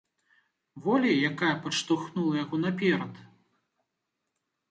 Волі, якая б падштурхнула яго наперад?